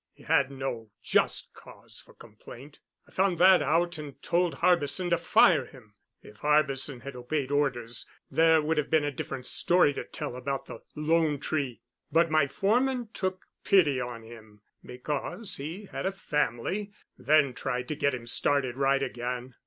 He had no just cause for complaint. I found that out and told Harbison to fire him. If Harbison had obeyed orders there would have been a different story to tell about the 'Lone Tree.' But my foreman took pity on him because he had a family; then tried to get him started right again.